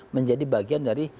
menjadi bagian dari